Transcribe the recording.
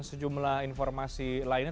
sejumlah informasi lainnya